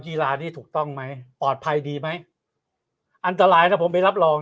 กีฬานี้ถูกต้องไหมปลอดภัยดีไหมอันตรายถ้าผมไปรับรอง